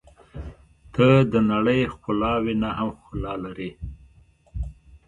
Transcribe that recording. • ته د نړۍ ښکلاوې نه هم ښکلا لرې.